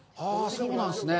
そうなんですね。